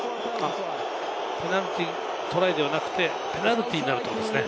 ペナルティートライではなくてペナルティーになると思いますね。